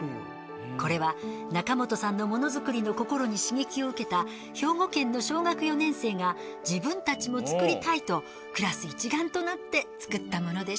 これは中元さんのものづくりの心に刺激を受けた兵庫県の小学４年生が「自分たちも作りたい」とクラス一丸となって作ったものでした。